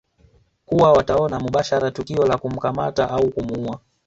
kuwa wataona mubashara tukio la kumkamata au kumuua